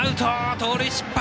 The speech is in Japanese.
盗塁失敗。